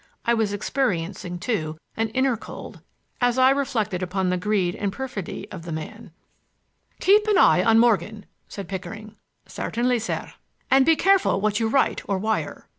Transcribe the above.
I was experiencing, too, an inner cold as I reflected upon the greed and perfidy of man. "Keep an eye on Morgan," said Pickering. "Certainly, sir." "And be careful what you write or wire."